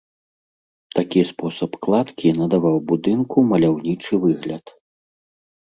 Такі спосаб кладкі надаваў будынку маляўнічы выгляд.